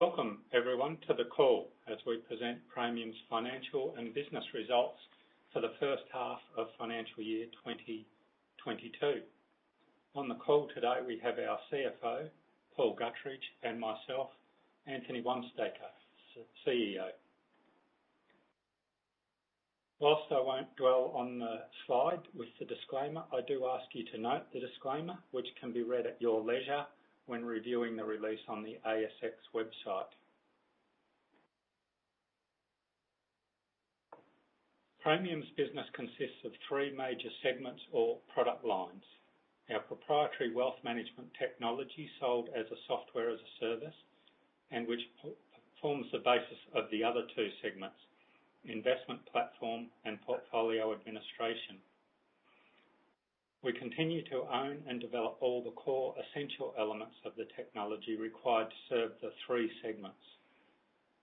Welcome everyone to the call as we present Praemium's financial and business results for the first half of financial year 2022. On the call today, we have our CFO, Paul Gutteridge, and myself, Anthony Wamsteker, CEO. While I won't dwell on the slide with the disclaimer, I do ask you to note the disclaimer, which can be read at your leisure when reviewing the release on the ASX website. Praemium's business consists of three major segments or product lines. Our proprietary wealth management technology sold as a software as a service, and which performs the basis of the other two segments, investment platform and portfolio administration. We continue to own and develop all the core essential elements of the technology required to serve the three segments.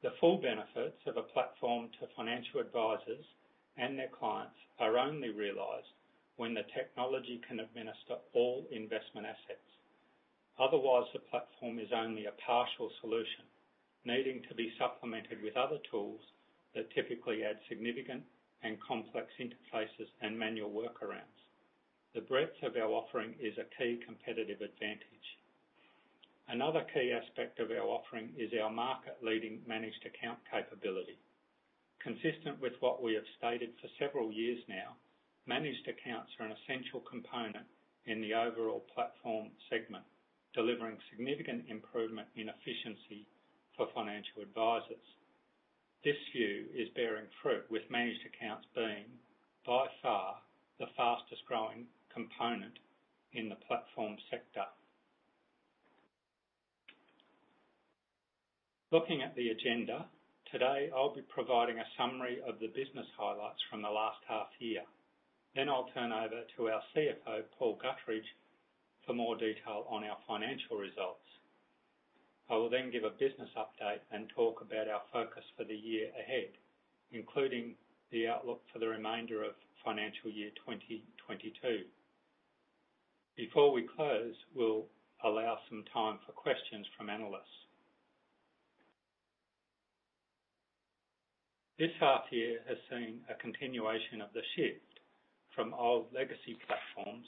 The full benefits of a platform to financial advisors and their clients are only realized when the technology can administer all investment assets. Otherwise, the platform is only a partial solution, needing to be supplemented with other tools that typically add significant and complex interfaces and manual workarounds. The breadth of our offering is a key competitive advantage. Another key aspect of our offering is our market leading managed account capability. Consistent with what we have stated for several years now, managed accounts are an essential component in the overall platform segment, delivering significant improvement in efficiency for financial advisors. This view is bearing fruit with managed accounts being, by far, the fastest growing component in the platform sector. Looking at the agenda, today, I'll be providing a summary of the business highlights from the last half year. Then I'll turn over to our CFO, Paul Gutteridge, for more detail on our financial results. I will then give a business update and talk about our focus for the year ahead, including the outlook for the remainder of financial year 2022. Before we close, we'll allow some time for questions from analysts. This half year has seen a continuation of the shift from old legacy platforms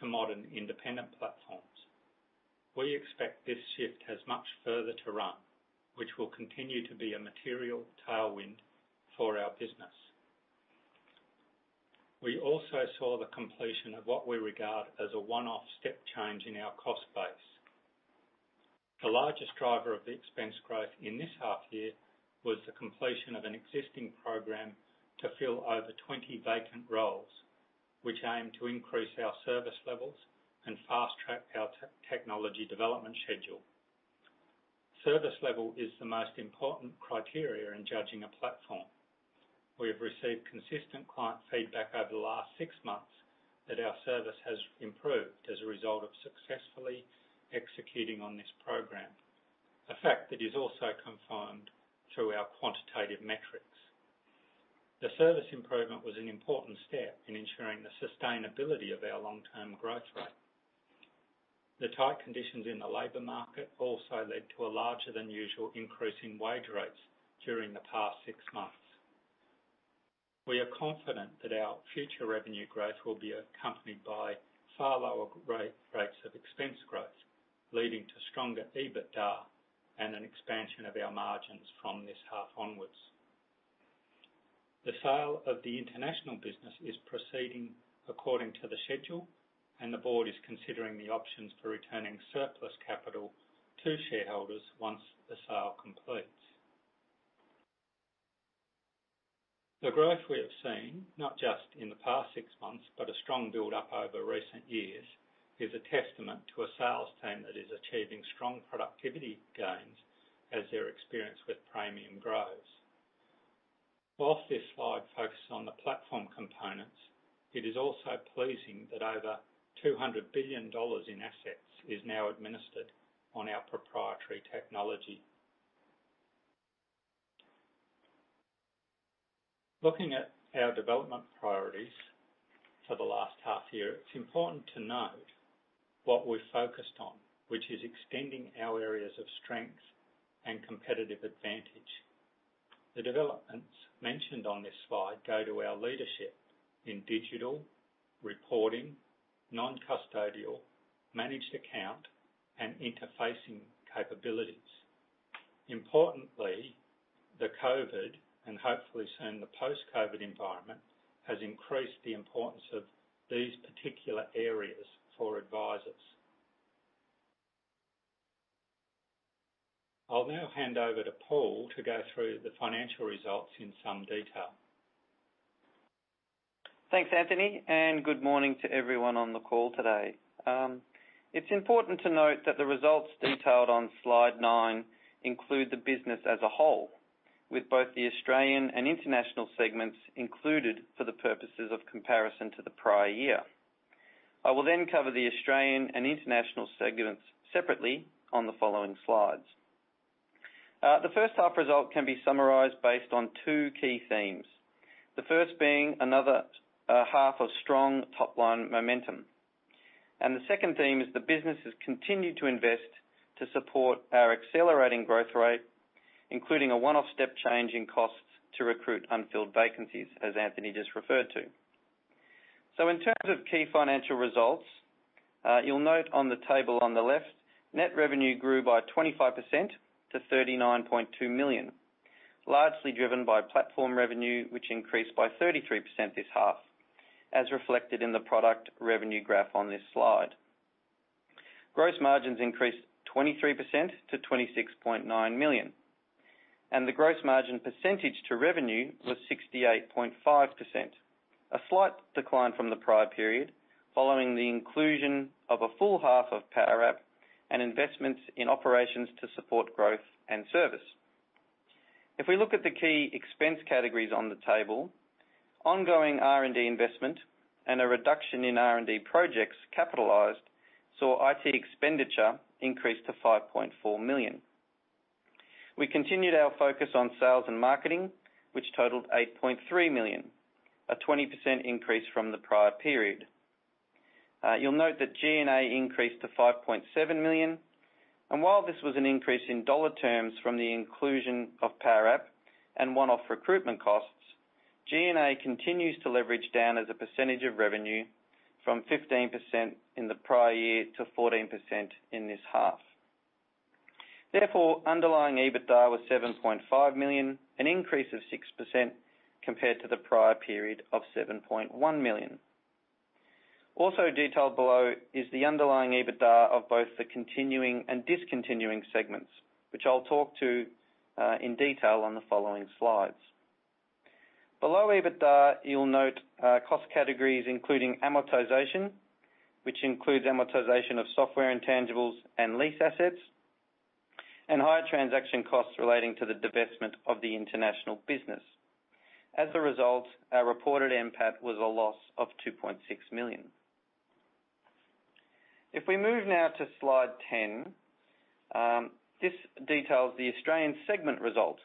to modern independent platforms. We expect this shift has much further to run, which will continue to be a material tailwind for our business. We also saw the completion of what we regard as a one-off step change in our cost base. The largest driver of the expense growth in this half year was the completion of an existing program to fill over 20 vacant roles, which aim to increase our service levels and fast-track our technology development schedule. Service level is the most important criteria in judging a platform. We have received consistent client feedback over the last six months that our service has improved as a result of successfully executing on this program, a fact that is also confirmed through our quantitative metrics. The service improvement was an important step in ensuring the sustainability of our long-term growth rate. The tight conditions in the labor market also led to a larger than usual increase in wage rates during the past six months. We are confident that our future revenue growth will be accompanied by far lower rates of expense growth, leading to stronger EBITDA and an expansion of our margins from this half onwards. The sale of the international business is proceeding according to the schedule, and the board is considering the options for returning surplus capital to shareholders once the sale completes. The growth we have seen, not just in the past six months, but a strong build-up over recent years, is a testament to a sales team that is achieving strong productivity gains as their experience with Praemium grows. While this slide focuses on the platform components, it is also pleasing that over 200 billion dollars in assets is now administered on our proprietary technology. Looking at our development priorities for the last half year, it's important to note what we're focused on, which is extending our areas of strength and competitive advantage. The developments mentioned on this slide go to our leadership in digital, reporting, non-custodial, managed account, and interfacing capabilities. Importantly, the COVID, and hopefully soon the post-COVID environment, has increased the importance of these particular areas for advisors. I'll now hand over to Paul to go through the financial results in some detail. Thanks, Anthony, and good morning to everyone on the call today. It's important to note that the results detailed on slide nine include the business as a whole, with both the Australian and international segments included for the purposes of comparison to the prior year. I will then cover the Australian and international segments separately on the following slides. The first half result can be summarized based on two key themes. The first being another half of strong top-line momentum. The second theme is the business has continued to invest to support our accelerating growth rate, including a one-off step change in costs to recruit unfilled vacancies, as Anthony just referred to. In terms of key financial results, you'll note on the table on the left, net revenue grew by 25% to 39.2 million. Largely driven by platform revenue, which increased by 33% this half, as reflected in the product revenue graph on this slide. Gross margins increased 23% to 26.9 million, and the gross margin percentage to revenue was 68.5%. A slight decline from the prior period following the inclusion of a full half of Powerwrap and investments in operations to support growth and service. If we look at the key expense categories on the table, ongoing R&D investment and a reduction in R&D projects capitalized, saw IT expenditure increase to 5.4 million. We continued our focus on sales and marketing, which totaled 8.3 million, a 20% increase from the prior period. You'll note that G&A increased to 5.7 million, and while this was an increase in dollar terms from the inclusion of Powerwrap and one-off recruitment costs, G&A continues to leverage down as a percentage of revenue from 15% in the prior year to 14% in this half. Therefore, underlying EBITDA was 7.5 million, an increase of 6% compared to the prior period of 7.1 million. Also detailed below is the underlying EBITDA of both the continuing and discontinuing segments, which I'll talk to in detail on the following slides. Below EBITDA, you'll note cost categories including amortization, which includes amortization of software intangibles and lease assets, and higher transaction costs relating to the divestment of the international business. As a result, our reported NPAT was a loss of 2.6 million. If we move now to slide 10, this details the Australian segment result,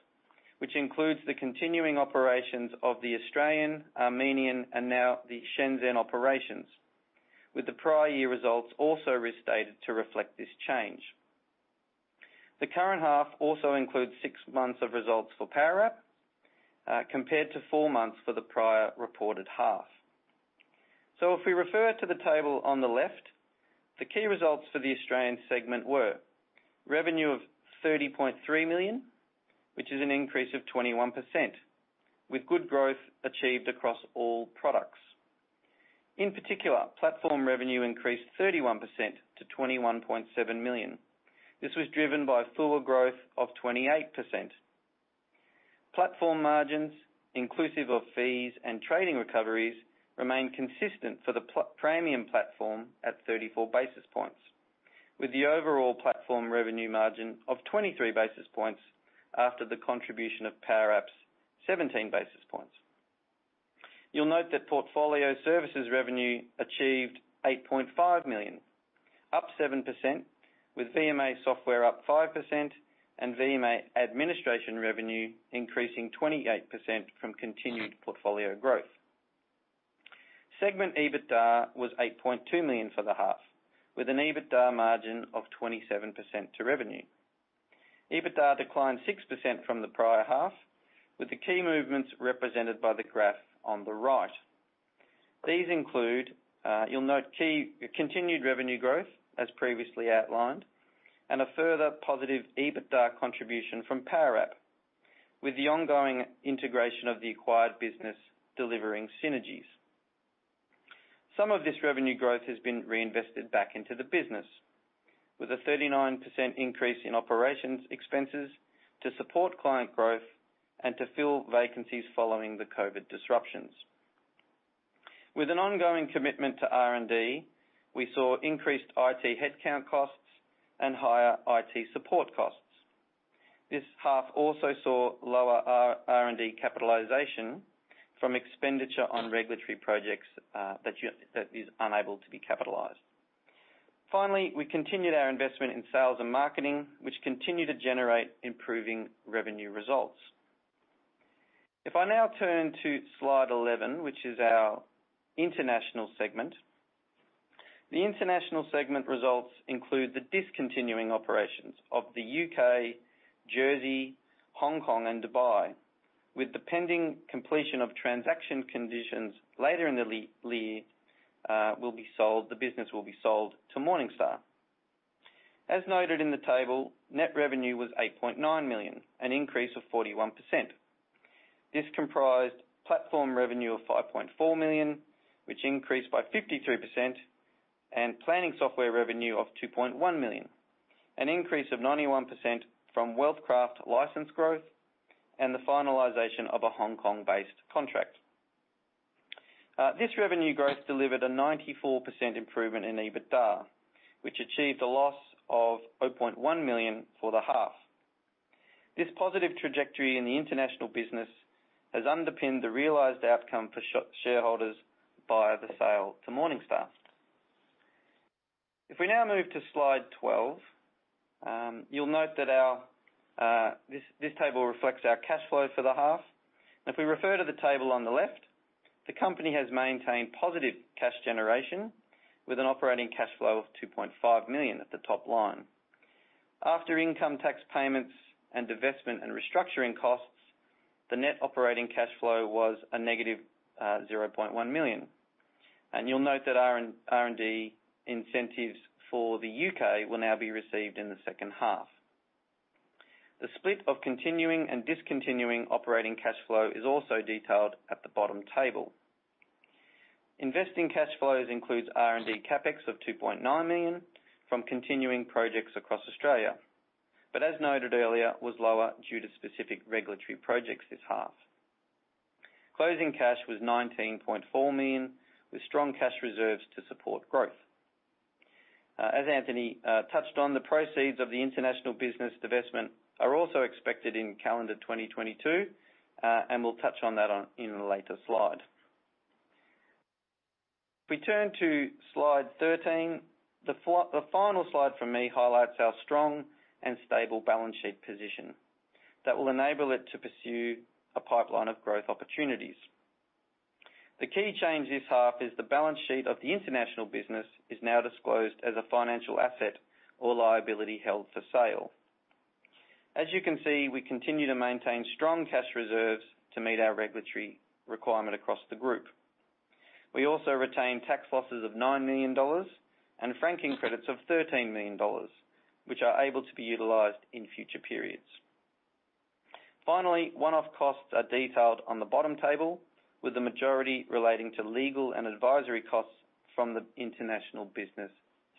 which includes the continuing operations of the Australian, Armenian, and now the Shenzhen operations, with the prior year results also restated to reflect this change. The current half also includes six months of results for Powerwrap, compared to four months for the prior reported half. If we refer to the table on the left, the key results for the Australian segment were: revenue of 30.3 million, which is an increase of 21%, with good growth achieved across all products. In particular, platform revenue increased 31% to 21.7 million. This was driven by FUA growth of 28%. Platform margins, inclusive of fees and trading recoveries, remained consistent for the Praemium platform at 34 basis points, with the overall platform revenue margin of 23 basis points after the contribution of Powerwrap's 17 basis points. You'll note that portfolio services revenue achieved 8.5 million, up 7%, with VMA software up 5%, and VMA administration revenue increasing 28% from continued portfolio growth. Segment EBITDA was 8.2 million for the half, with an EBITDA margin of 27% to revenue. EBITDA declined 6% from the prior half, with the key movements represented by the graph on the right. These include, you'll note continued revenue growth as previously outlined, and a further positive EBITDA contribution from Powerwrap, with the ongoing integration of the acquired business delivering synergies. Some of this revenue growth has been reinvested back into the business, with a 39% increase in operations expenses to support client growth and to fill vacancies following the COVID disruptions. With an ongoing commitment to R&D, we saw increased IT headcount costs and higher IT support costs. This half also saw lower R&D capitalization from expenditure on regulatory projects that is unable to be capitalized. Finally, we continued our investment in sales and marketing, which continue to generate improving revenue results. If I now turn to slide 11, which is our international segment. The international segment results include the discontinued operations of the U.K., Jersey, Hong Kong, and Dubai, with the pending completion of transaction conditions later in the year, the business will be sold to Morningstar. As noted in the table, net revenue was 8.9 million, an increase of 41%. This comprised platform revenue of 5.4 million, which increased by 52%, and planning software revenue of 2.1 million, an increase of 91% from WealthCraft license growth and the finalization of a Hong Kong-based contract. This revenue growth delivered a 94% improvement in EBITDA, which achieved a loss of 0.1 million for the half. This positive trajectory in the international business has underpinned the realized outcome for shareholders via the sale to Morningstar. If we now move to slide 12, you'll note that our this table reflects our cash flow for the half. If we refer to the table on the left, the company has maintained positive cash generation with an operating cash flow of 2.5 million at the top line. After income tax payments and divestment and restructuring costs, the net operating cash flow was negative 0.1 million. You'll note that R&D incentives for the U.K. will now be received in the second half. The split of continuing and discontinued operating cash flow is also detailed at the bottom table. Investing cash flows includes R&D CapEx of 2.9 million from continuing projects across Australia, but as noted earlier, was lower due to specific regulatory projects this half. Closing cash was 19.4 million, with strong cash reserves to support growth. As Anthony touched on, the proceeds of the international business divestment are also expected in calendar 2022, and we'll touch on that in a later slide. If we turn to slide 13, the final slide from me highlights our strong and stable balance sheet position that will enable it to pursue a pipeline of growth opportunities. The key change this half is that the balance sheet of the international business is now disclosed as a financial asset or liability held for sale. As you can see, we continue to maintain strong cash reserves to meet our regulatory requirement across the group. We also retain tax losses of 9 million dollars and franking credits of 13 million dollars, which are able to be utilized in future periods. Finally, one-off costs are detailed on the bottom table, with the majority relating to legal and advisory costs from the international business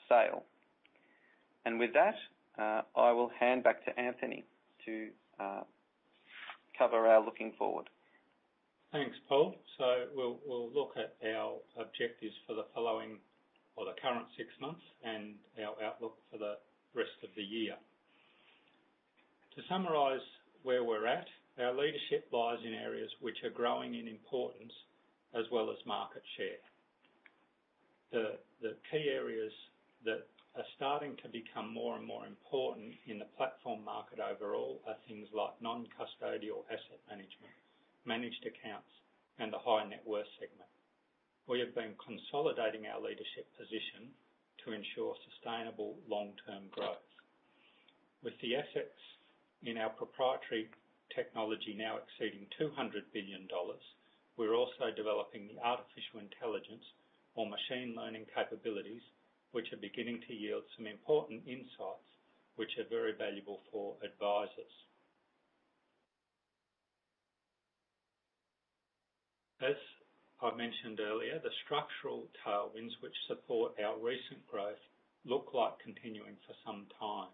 sale. With that, I will hand back to Anthony to cover our looking forward. Thanks, Paul. We'll look at our objectives for the following or the current six months and our outlook for the rest of the year. To summarize where we're at, our leadership lies in areas which are growing in importance as well as market share. The key areas that are starting to become more and more important in the platform market overall are things like non-custodial asset management, managed accounts, and the high-net-worth segment. We have been consolidating our leadership position to ensure sustainable long-term growth. With the assets in our proprietary technology now exceeding 200 billion dollars, we're also developing the artificial intelligence or machine learning capabilities, which are beginning to yield some important insights, which are very valuable for advisors. As I mentioned earlier, the structural tailwinds which support our recent growth look like continuing for some time.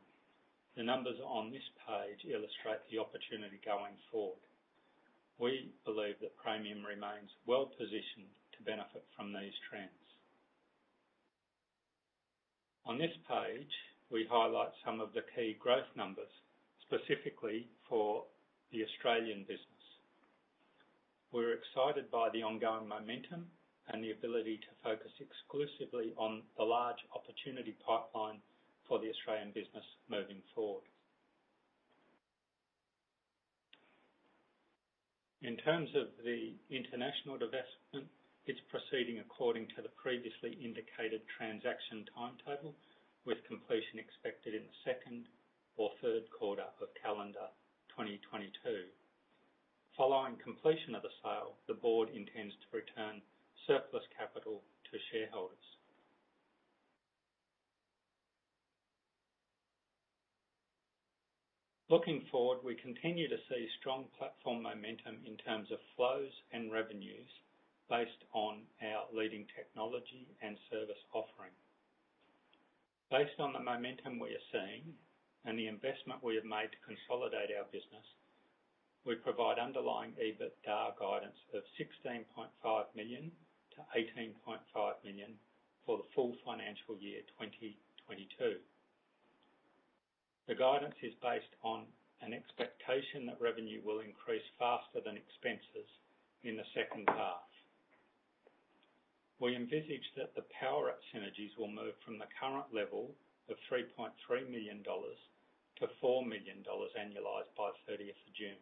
The numbers on this page illustrate the opportunity going forward. We believe that Praemium remains well positioned to benefit from these trends. On this page, we highlight some of the key growth numbers, specifically for the Australian business. We're excited by the ongoing momentum and the ability to focus exclusively on the large opportunity pipeline for the Australian business moving forward. In terms of the international divestment, it's proceeding according to the previously indicated transaction timetable, with completion expected in the second or third quarter of calendar 2022. Following completion of the sale, the board intends to return surplus capital to shareholders. Looking forward, we continue to see strong platform momentum in terms of flows and revenues based on our leading technology and service offering. Based on the momentum we are seeing and the investment we have made to consolidate our business, we provide underlying EBITDA guidance of 16.5 million-18.5 million for the full financial year 2022. The guidance is based on an expectation that revenue will increase faster than expenses in the second half. We envisage that the Powerwrap synergies will move from the current level of 3.3 million dollars to 4 million dollars annualized by 30th of June.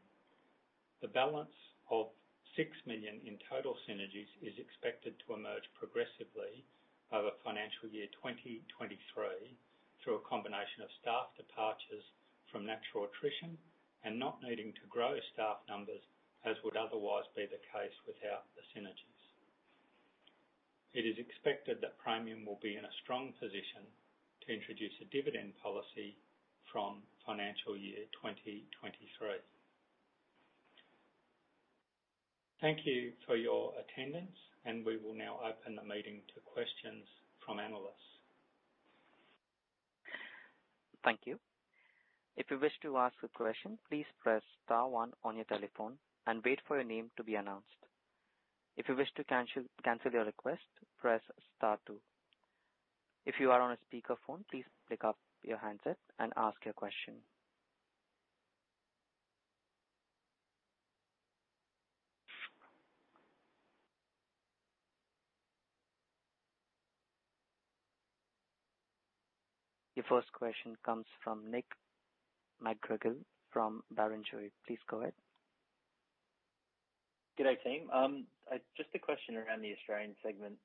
The balance of 6 million in total synergies is expected to emerge progressively over financial year 2023 through a combination of staff departures from natural attrition and not needing to grow staff numbers as would otherwise be the case without the synergies. It is expected that Praemium will be in a strong position to introduce a dividend policy from financial year 2023. Thank you for your attendance, and we will now open the meeting to questions from analysts. Thank you. If you wish to ask a question, please press star one on your telephone and wait for your name to be announced. If you wish to cancel your request, press star two. If you are on a speakerphone, please pick up your handset and ask your question. Your first question comes from Nick McGarrigle from Barrenjoey. Please go ahead. Good day, team. Just a question around the Australian segment.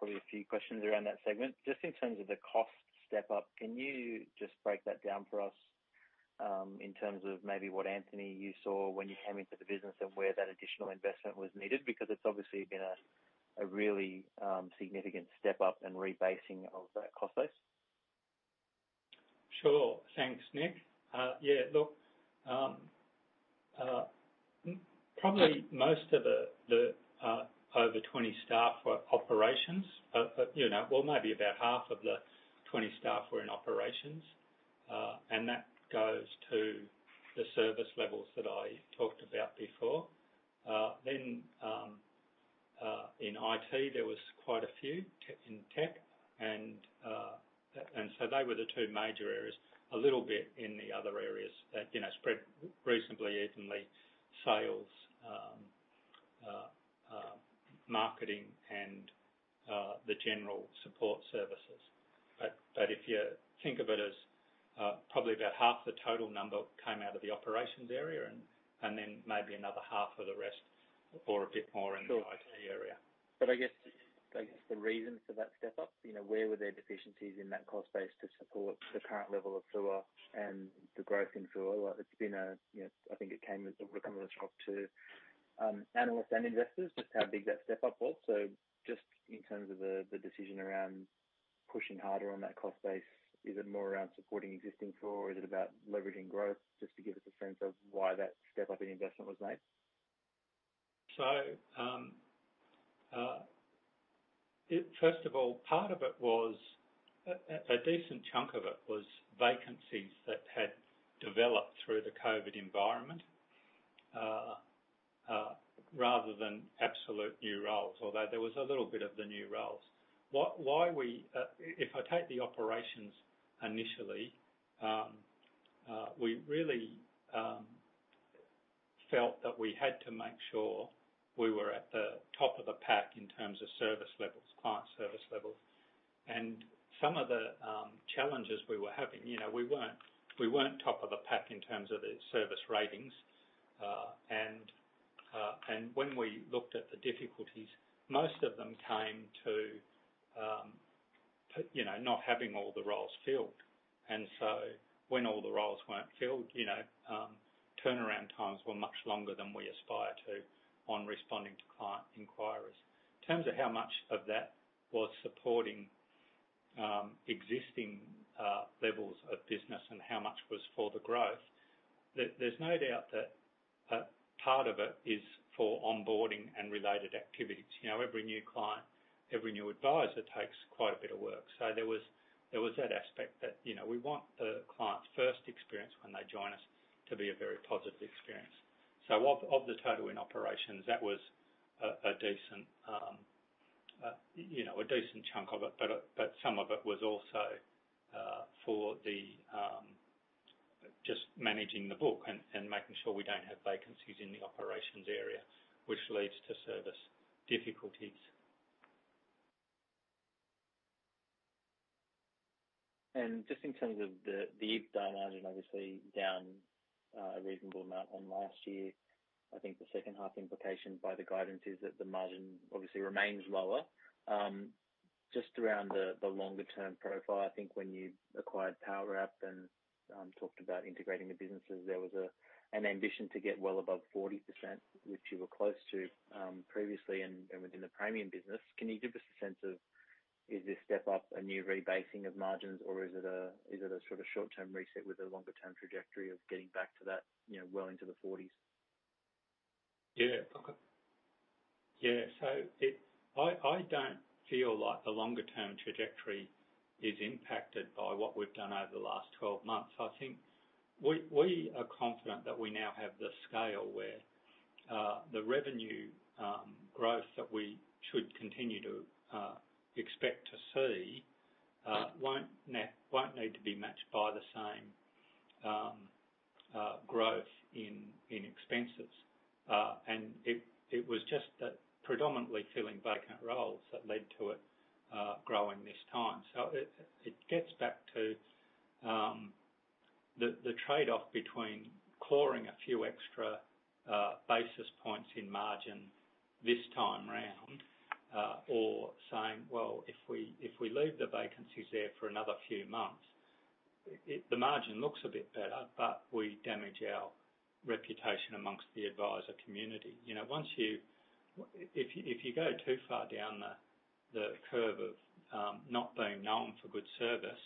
Probably a few questions around that segment. Just in terms of the cost step-up, can you just break that down for us, in terms of maybe what, Anthony, you saw when you came into the business and where that additional investment was needed? Because it's obviously been a really significant step-up and rebasing of that cost base. Sure. Thanks, Nick. Probably most of the over 20 staff were operations. You know, well, maybe about half of the 20 staff were in operations. That goes to the service levels that I talked about before. In IT, there was quite a few team in tech and so they were the two major areas. A little bit in the other areas that, you know, spread reasonably evenly, sales, marketing, and the general support services. If you think of it as probably about half the total number came out of the operations area and then maybe another half of the rest or a bit more in- Sure. the IT area. I guess the reason for that step-up, you know, where were there deficiencies in that cost base to support the current level of flow and the growth in flow? It's been a, you know, I think it came as, it would've come as a shock to, analysts and investors, just how big that step-up was. Just in terms of the decision around pushing harder on that cost base, is it more around supporting existing flow, or is it about leveraging growth? Just to give us a sense of why that step-up in investment was made. First of all, part of it was a decent chunk of it was vacancies that had developed through the COVID environment rather than absolute new roles, although there was a little bit of the new roles. If I take the operations initially, we really felt that we had to make sure we were at the top of the pack in terms of service levels, client service levels. Some of the challenges we were having, you know, we weren't top of the pack in terms of the service ratings. When we looked at the difficulties, most of them came down to, you know, not having all the roles filled. When all the roles weren't filled, you know, turnaround times were much longer than we aspire to on responding to client inquiries. In terms of how much of that was supporting existing levels of business and how much was for the growth, there's no doubt that part of it is for onboarding and related activities. You know, every new client, every new advisor takes quite a bit of work. There was that aspect that you know we want the client's first experience when they join us to be a very positive experience. Of the total in operations, that was a decent, you know, a decent chunk of it, but some of it was also for just managing the book and making sure we don't have vacancies in the operations area, which leads to service difficulties. Just in terms of the EBITDA margin, obviously down a reasonable amount on last year. I think the second half implication by the guidance is that the margin obviously remains lower. Just around the longer term profile, I think when you acquired Powerwrap and talked about integrating the businesses, there was an ambition to get well above 40%, which you were close to previously and within the Praemium business. Can you give us a sense of, is this step up a new rebasing of margins, or is it a sort of short-term reset with a longer term trajectory of getting back to that, you know, well into the 40s? I don't feel like the longer term trajectory is impacted by what we've done over the last 12 months. I think we are confident that we now have the scale where the revenue growth that we should continue to expect to see won't need to be matched by the same growth in expenses. It was just that predominantly filling vacant roles that led to it growing this time. It gets back to the trade-off between clawing a few extra basis points in margin this time round or saying, "Well, if we leave the vacancies there for another few months, the margin looks a bit better, but we damage our reputation amongst the advisor community." You know, once you If you go too far down the curve of not being known for good service,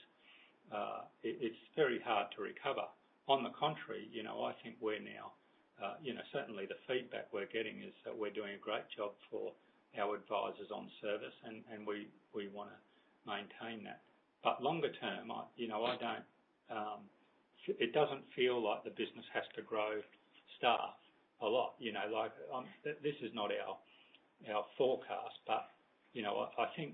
it's very hard to recover. On the contrary, you know, I think we're now certainly the feedback we're getting is that we're doing a great job for our advisors on service, and we wanna maintain that. Longer term, I, you know, I don't, it doesn't feel like the business has to grow staff a lot, you know. Like, this is not our forecast, but, you know, I think,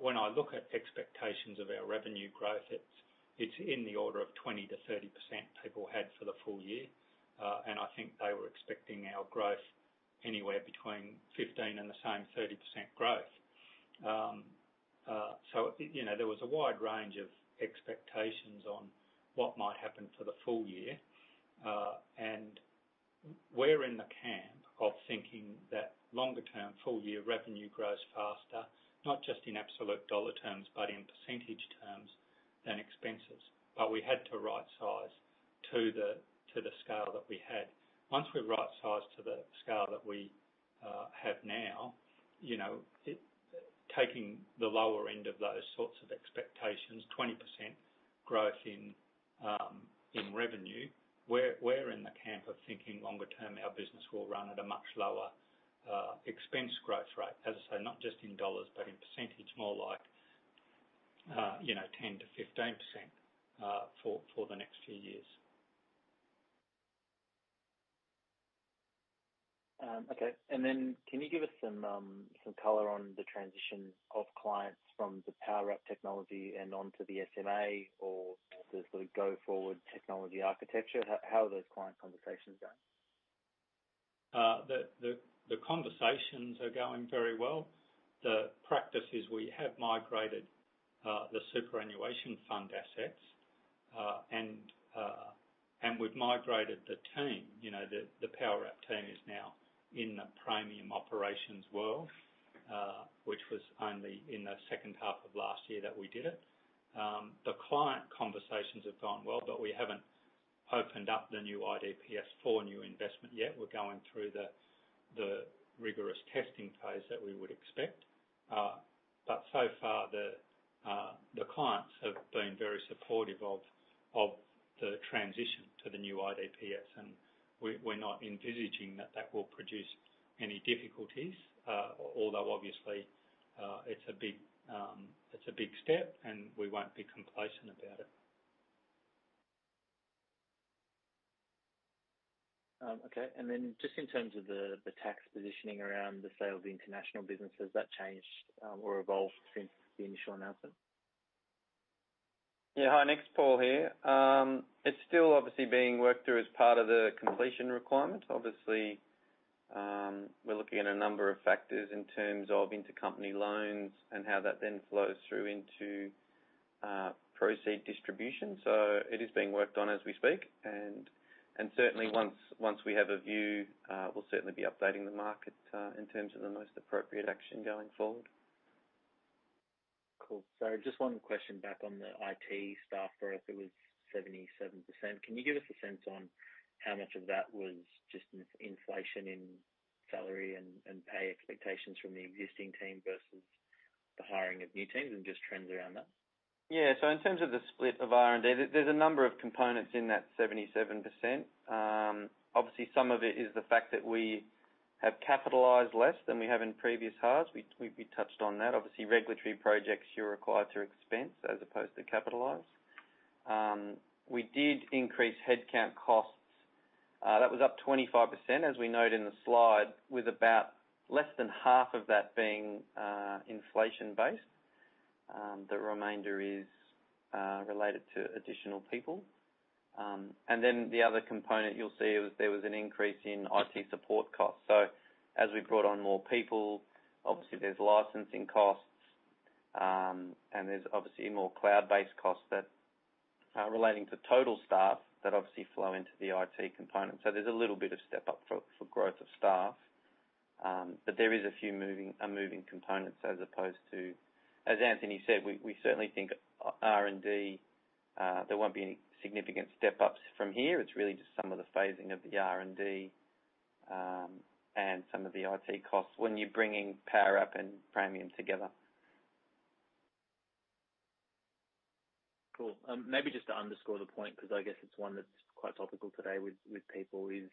when I look at expectations of our revenue growth, it's in the order of 20% to 30% people had for the full year. And I think they were expecting our growth anywhere between 15% and the same 30% growth. You know, there was a wide range of expectations on what might happen for the full year. We're in the camp of thinking that longer-term full-year revenue grows faster, not just in absolute dollar terms, but in percentage terms than expenses. We had to rightsize to the scale that we had. Once we rightsize to the scale that we have now, you know, taking the lower end of those sorts of expectations, 20% growth in revenue, we're in the camp of thinking longer term our business will run at a much lower expense growth rate. As I say, not just in dollars, but in percentage more like, you know, 10% to 15%, for the next few years. Okay. Can you give us some color on the transition of clients from the Powerwrap technology and onto the SMA or the sort of go-forward technology architecture? How are those client conversations going? The conversations are going very well. The process is we have migrated the superannuation fund assets, and we've migrated the team. You know, the Powerwrap team is now in the Praemium operations world, which was only in the second half of last year that we did it. The client conversations have gone well, but we haven't opened up the new IDPS for new investment yet. We're going through the rigorous testing phase that we would expect. So far the clients have been very supportive of the transition to the new IDPS, and we're not envisaging that that will produce any difficulties, although obviously it's a big step and we won't be complacent about it. Just in terms of the tax positioning around the sale of the international business, has that changed or evolved since the initial announcement? Yeah. Hi, Nick. Paul here. It's still obviously being worked through as part of the completion requirement. Obviously, we're looking at a number of factors in terms of intercompany loans and how that then flows through into proceeds distribution. It is being worked on as we speak. Certainly once we have a view, we'll certainly be updating the market in terms of the most appropriate action going forward. Cool. Just one question back on the IT staff growth. It was 77%. Can you give us a sense on how much of that was just an inflation in salary and pay expectations from the existing team versus the hiring of new teams and just trends around that? Yeah. In terms of the split of R&D, there's a number of components in that 77%. Obviously some of it is the fact that we have capitalized less than we have in previous halves. We touched on that. Obviously, regulatory projects you're required to expense as opposed to capitalize. We did increase headcount costs. That was up 25%, as we note in the slide, with about less than half of that being inflation based. The remainder is related to additional people. Then the other component you'll see was an increase in IT support costs. As we brought on more people, obviously there's licensing costs, and there's obviously more cloud-based costs that are relating to total staff that obviously flow into the IT component. There's a little bit of step-up for growth of staff. There is a few moving components as opposed to. As Anthony said, we certainly think R&D there won't be any significant step-ups from here. It's really just some of the phasing of the R&D and some of the IT costs when you're bringing Powerwrap and Praemium together. Cool. Maybe just to underscore the point, 'cause I guess it's one that's quite topical today with people, is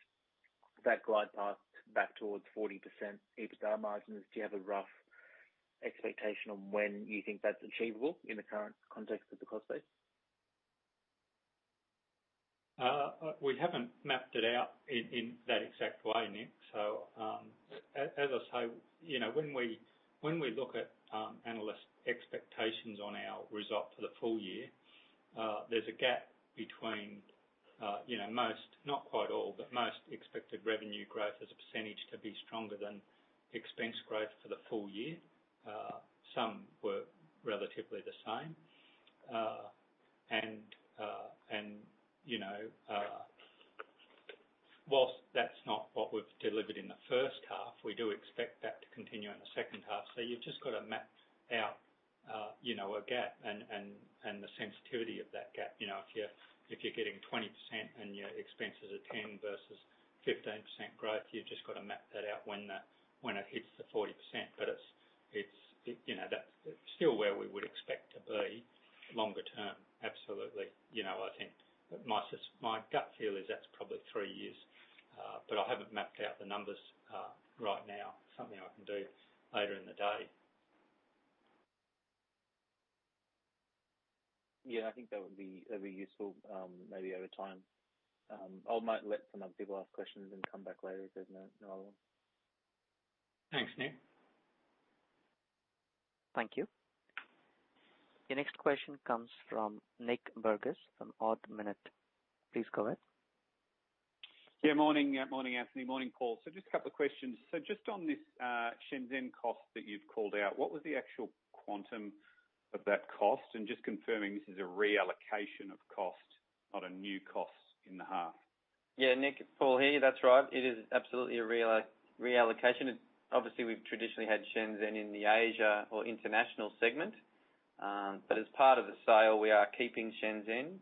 that glide path back towards 40% EBITDA margins. Do you have a rough expectation on when you think that's achievable in the current context of the cost base? We haven't mapped it out in that exact way, Nick. As I say, you know, when we look at analyst expectations on our result for the full year, there's a gap between, you know, most, not quite all, but most expected revenue growth as a percentage to be stronger than expense growth for the full year. Some were relatively the same. You know, while that's not what we've delivered in the first half, we do expect that to continue in the second half. You've just got to map out, you know, a gap and the sensitivity of that gap. You know, if you're getting 20% and your expenses are 10% versus 15% growth, you've just got to map that out when it hits the 40%. It's, you know, that's still where we would expect to be longer term. Absolutely. You know, I think my gut feel is that's probably three years, but I haven't mapped out the numbers right now. Something I can do later in the day. Yeah, I think that would be, that'd be useful, maybe over time. I might let some other people ask questions and come back later if there's no other one. Thanks, Nick. Thank you. The next question comes from Nic Burgess from Ord Minnett. Please go ahead. Yeah, morning. Morning, Anthony. Morning, Paul. Just a couple of questions. Just on this, Shenzhen cost that you've called out, what was the actual quantum of that cost? And just confirming this is a reallocation of cost, not a new cost in the half. Yeah, Nick, Paul here. That's right. It is absolutely a reallocation. Obviously, we've traditionally had Shenzhen in the Asia or international segment. As part of the sale, we are keeping Shenzhen.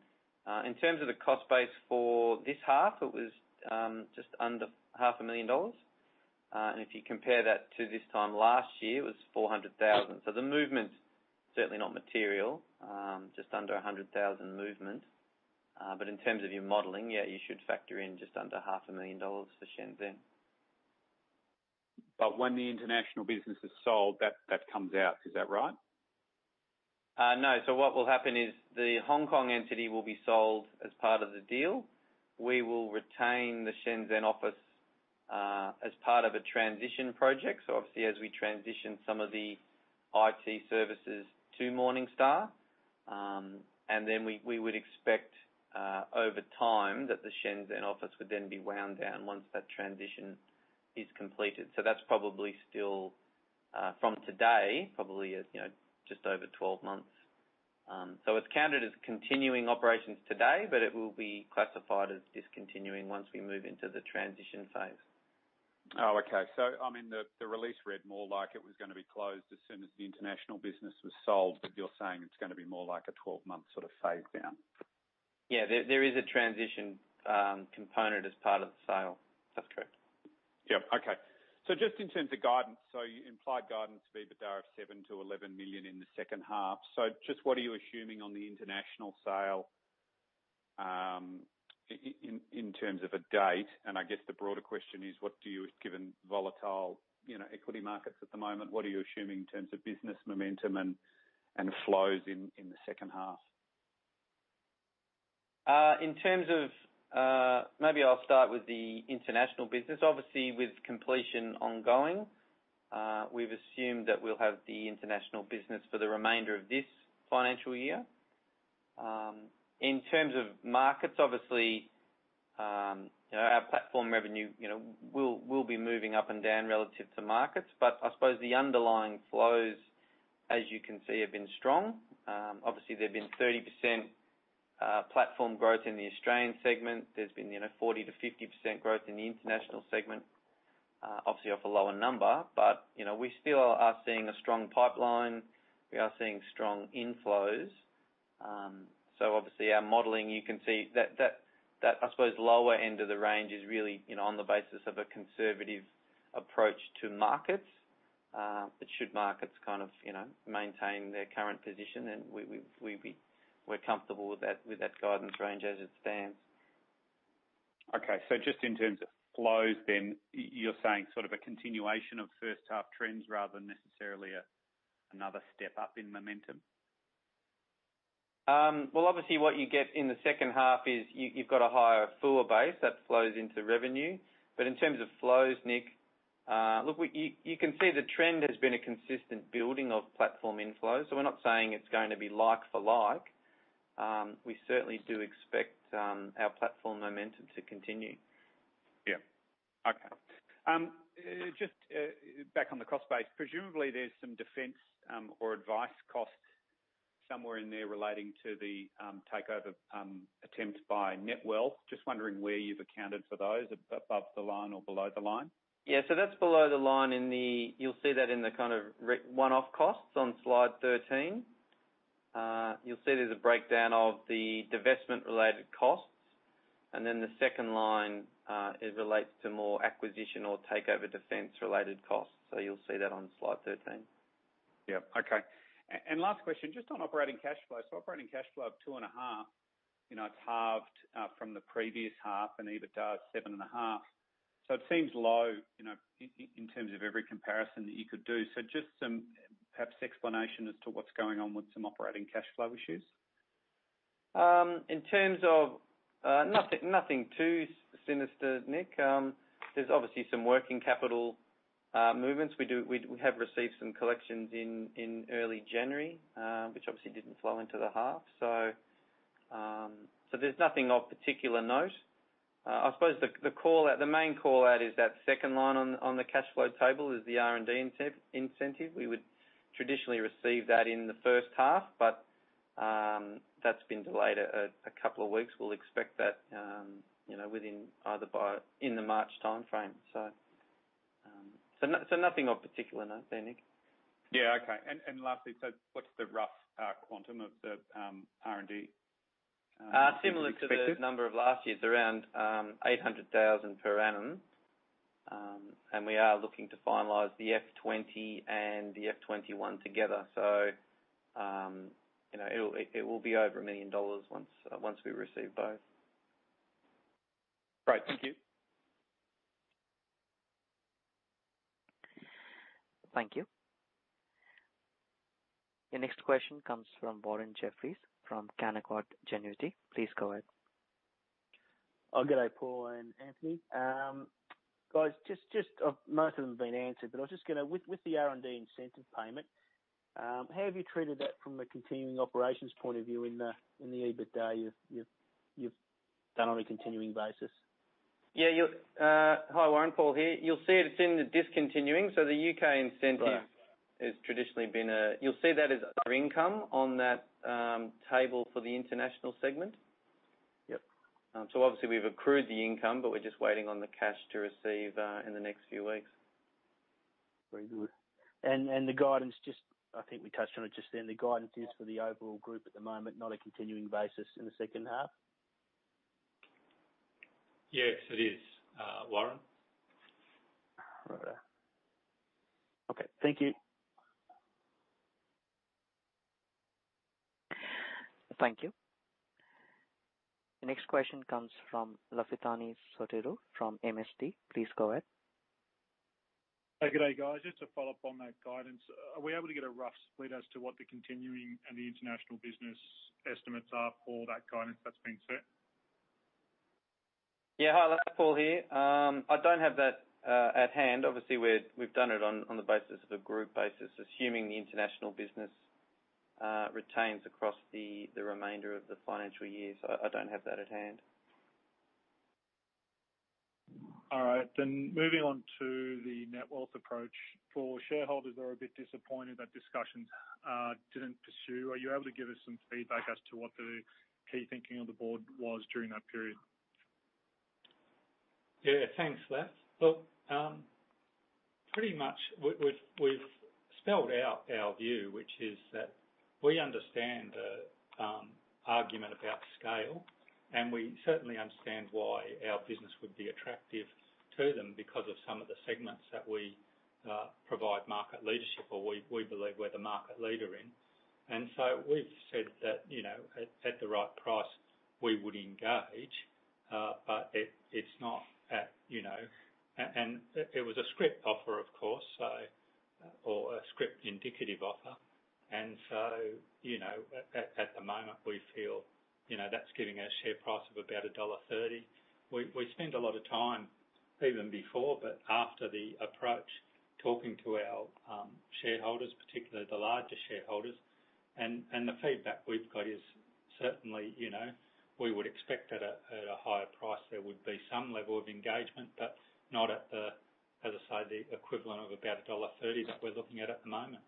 In terms of the cost base for this half, it was just under 500,000 dollars. If you compare that to this time last year, it was 400,000. The movement, certainly not material, just under 100,000 movement. In terms of your modeling, yeah, you should factor in just under 500,000 dollars for Shenzhen. When the international business is sold, that comes out. Is that right? No. What will happen is the Hong Kong entity will be sold as part of the deal. We will retain the Shenzhen office as part of a transition project, so obviously, as we transition some of the IT services to Morningstar. We would expect over time that the Shenzhen office would then be wound down once that transition is completed. That's probably still from today, probably as you know, just over 12 months. It's counted as continuing operations today, but it will be classified as discontinuing once we move into the transition phase. Oh, okay. I mean, the release read more like it was gonna be closed as soon as the international business was sold, but you're saying it's gonna be more like a 12-month sort of phase down? Yeah. There is a transition component as part of the sale. That's correct. Yep. Okay. Just in terms of guidance, you implied guidance EBITDA of 7 million-11 million in the second half. Just what are you assuming on the international sale in terms of a date? I guess the broader question is, what do you, given volatile, you know, equity markets at the moment, what are you assuming in terms of business momentum and flows in the second half? In terms of, maybe I'll start with the international business. Obviously, with completion ongoing, we've assumed that we'll have the international business for the remainder of this financial year. In terms of markets, obviously, you know, our platform revenue, you know, will be moving up and down relative to markets, but I suppose the underlying flows, as you can see, have been strong. Obviously, there have been 30%, platform growth in the Australian segment. There's been, you know, 40% to 50% growth in the international segment, obviously off a lower number. You know, we still are seeing a strong pipeline. We are seeing strong inflows. Obviously, our modeling, you can see that I suppose lower end of the range is really, you know, on the basis of a conservative approach to markets. Should markets kind of, you know, maintain their current position, then we're comfortable with that guidance range as it stands. Okay. Just in terms of flows then, you're saying sort of a continuation of first half trends rather than necessarily a, another step up in momentum? Well, obviously what you get in the second half is you've got a higher FUA base that flows into revenue. In terms of flows, Nick, look, you can see the trend has been a consistent building of platform inflows, so we're not saying it's going to be like for like. We certainly do expect our platform momentum to continue. Yeah. Okay. Just back on the cost base, presumably there's some defense or advice costs somewhere in there relating to the takeover attempt by Netwealth. Just wondering where you've accounted for those, above the line or below the line? Yeah. That's below the line. You'll see that in the kind of one-off costs on slide 13. You'll see there's a breakdown of the divestment-related costs. Then the second line, it relates to more acquisition or takeover defense-related costs. You'll see that on slide 13. Yep. Okay. Last question, just on operating cash flow. Operating cash flow of 2.5, you know, it's halved from the previous half and EBITDA of AUD 7.5. It seems low, you know, in terms of every comparison that you could do. Just some, perhaps explanation as to what's going on with some operating cash flow issues. In terms of nothing too sinister, Nick. There's obviously some working capital movements. We have received some collections in early January, which obviously didn't flow into the half. There's nothing of particular note. I suppose the main call out is that second line on the cash flow table is the R&D incentive. We would traditionally receive that in the first half, but that's been delayed a couple of weeks. We'll expect that, you know, within the March timeframe. Nothing of particular note there, Nick. Yeah. Okay. Lastly, what's the rough quantum of the R&D you've expected? Similar to the number of last year's, around 800,000 per annum. We are looking to finalize the FY 2020 and the FY 2021 together. You know, it will be over 1 million dollars once we receive both. Great. Thank you. Thank you. Your next question comes from Warren Jeffries from Canaccord Genuity. Please go ahead. Oh, good day, Paul and Anthony. Guys, just most of them have been answered, but with the R&D incentive payment, how have you treated that from a continuing operations point of view in the EBITDA you've done on a continuing basis? Hi, Warren, Paul here. You'll see it's in the discontinued. The UK incentive- Right. You'll see that as other income on that table for the international segment. Yep. Obviously we've accrued the income, but we're just waiting on the cash to receive in the next few weeks. Very good. The guidance just, I think we touched on it just then, the guidance is for the overall group at the moment, not a continuing basis in the second half? Yes, it is, Warren. Right. Okay, thank you. Thank you. The next question comes from Lafitani Sotiriou from MST Financial. Please go ahead. Oh, good day, guys. Just to follow up on that guidance, are we able to get a rough split as to what the continuing and the international business estimates are for that guidance that's been set? Yeah. Hi, Paul here. I don't have that at hand. Obviously we've done it on the basis of a group basis, assuming the international business retains across the remainder of the financial year. I don't have that at hand. All right. Moving on to the Netwealth approach. For shareholders that are a bit disappointed that discussions didn't pursue, are you able to give us some feedback as to what the key thinking of the board was during that period? Yeah. Thanks, Laf. Look, pretty much we've spelled out our view, which is that we understand the argument about scale, and we certainly understand why our business would be attractive to them because of some of the segments that we provide market leadership or we believe we're the market leader in. We've said that, you know, at the right price we would engage, but it's not at, you know. It was a scrip offer, of course. Or a scrip indicative offer. You know, at the moment, we feel, you know, that's giving a share price of about dollar 1.30. We spent a lot of time even before, but after the approach, talking to our shareholders, particularly the larger shareholders. The feedback we've got is certainly, you know, we would expect at a higher price there would be some level of engagement, but not at the, as I say, the equivalent of about dollar 1.30 that we're looking at at the moment.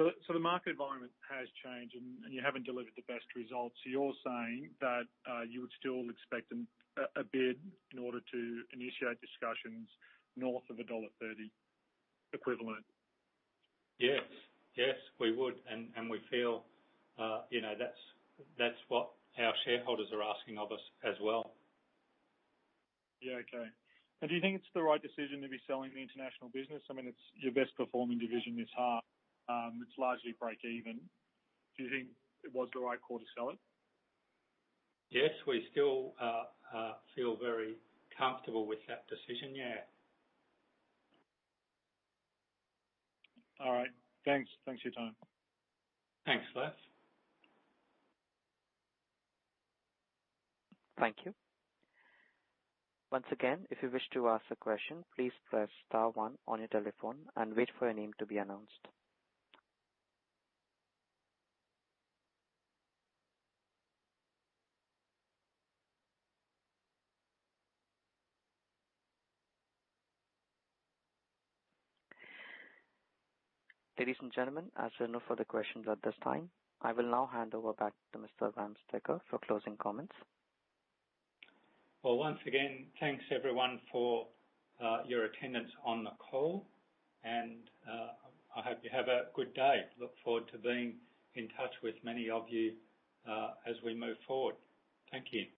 The market environment has changed and you haven't delivered the best results. You're saying that you would still expect a bid in order to initiate discussions north of dollar 1.30 equivalent? Yes. Yes, we would. We feel, you know, that's what our shareholders are asking of us as well. Yeah. Okay. Do you think it's the right decision to be selling the international business? I mean, it's your best performing division. It's hard. It's largely break even. Do you think it was the right call to sell it? Yes, we still feel very comfortable with that decision. Yeah. All right. Thanks for your time. Thanks, Laf. Thank you. Once again, if you wish to ask a question, please press star one on your telephone and wait for your name to be announced. Ladies and gentlemen, as there are no further questions at this time, I will now hand over back to Mr. Wamsteker for closing comments. Well, once again, thanks, everyone, for your attendance on the call, and I hope you have a good day. I look forward to being in touch with many of you, as we move forward. Thank you.